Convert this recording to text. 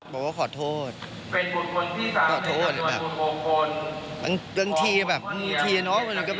บอกว่าขอโทษขอโทษหรือเปล่า